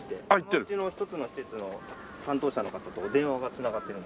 その内の一つの施設の担当者の方とお電話が繋がってる。